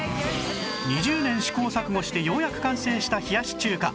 ２０年試行錯誤してようやく完成した冷やし中華